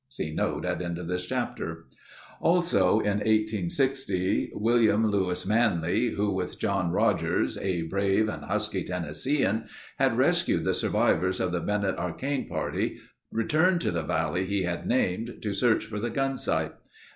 (See note at end of this chapter.) Also in 1860 William Lewis Manly who with John Rogers, a brave and husky Tennessean had rescued the survivors of the Bennett Arcane party, returned to the valley he had named, to search for the Gunsight.